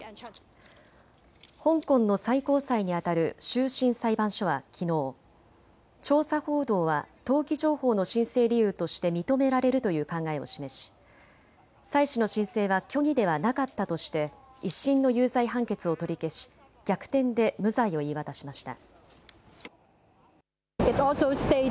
香港の最高裁にあたる終審裁判所はきのう調査報道は登記情報の申請理由として認められるという考えを示し、蔡氏の申請は虚偽ではなかったとして１審の有罪判決を取り消し逆転で無罪を言い渡しました。